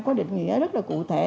có định nghĩa rất là cụ thể